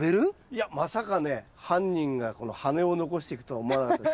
いやまさかね犯人がこの羽根を残していくとは思わなかった。